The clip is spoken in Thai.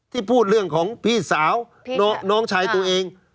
ที่พูดเรื่องของพี่สาวน้องชายตัวเอง